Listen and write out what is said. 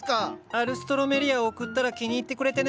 アルストロメリアを贈ったら気に入ってくれてね。